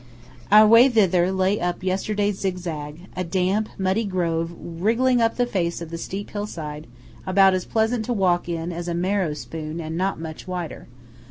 Our way thither lay up yesterday's zigzag–a damp, muddy groove wriggling up the face of a steep hillside, about as pleasant to walk in as a marrow spoon, and not much wider.